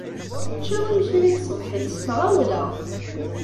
Teččid imekli n tṣebḥit s tɣawla.